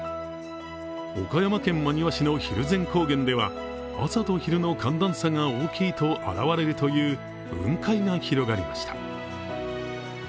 岡山県真庭市の蒜山高原では朝と昼の寒暖差が大きいと現れるという雲海が広がりました。